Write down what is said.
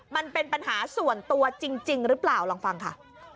มันเป็นปัญหาส่วนตัวจริงหรือเปล่าลองฟังค่ะ